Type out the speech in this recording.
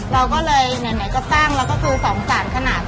เราก็เลยไหนก็สร้างแล้วก็คือสงสารขนาด